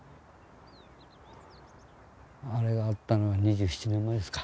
あれがあったのが２７年前ですか。